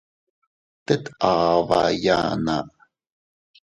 Teet afba iyana.